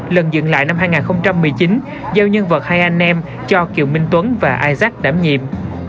lần dựng lại năm hai nghìn một mươi chín giao nhân vật hai anh em cho kiều minh tuấn và isak đảm nhiệm